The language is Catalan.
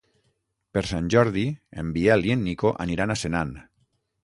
Per Sant Jordi en Biel i en Nico aniran a Senan.